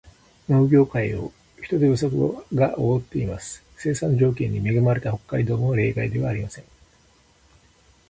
農業界を人手不足が覆っています。生産条件に恵まれた北海道も例外ではありません。